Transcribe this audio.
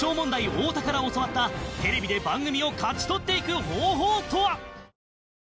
太田から教わったテレビで番組を勝ち取っていく方法とは？